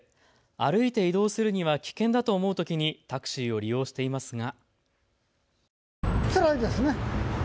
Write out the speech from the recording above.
歩いて移動するには危険だと思うときにタクシーを利用していますが。